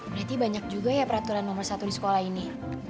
berarti banyak juga ya peraturan nomor satu di sekolah ini